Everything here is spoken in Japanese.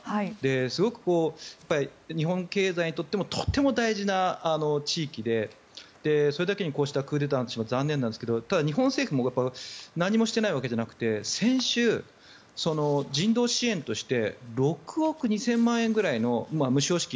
すごく日本経済にとってもとても大事な地域でそれだけにこうしたクーデターは残念なんですがただ、日本政府も何もしていないわけじゃなくて先週、人道支援として６億２０００万円ぐらいの無償資金。